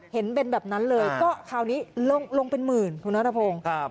เห็นเป็นแบบนั้นเลยก็คราวนี้ลงเป็นหมื่นคุณนัทพงศ์